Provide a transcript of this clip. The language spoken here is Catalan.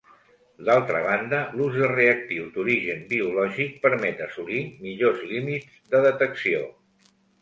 D'altra banda, l'ús de reactius d'origen biològic permet assolir millors límits de detecció.